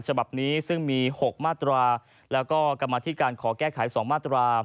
ฉบับนี้ซึ่งมี๖มาตราแล้วก็กรรมธิการขอแก้ไข๒มาตรา